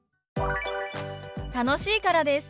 「楽しいからです」。